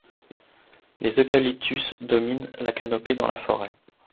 Les eucalyptus dominent la canopée dans la forêt.